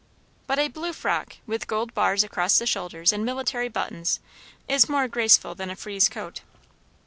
But a blue frock, with gold bars across the shoulders and military buttons, is more graceful than a frieze coat.